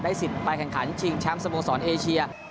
สิทธิ์ไปแข่งขันชิงแชมป์สโมสรเอเชีย